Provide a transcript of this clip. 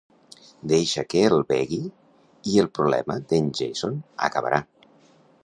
Deixa que el begui i el problema d'en Jason acabarà.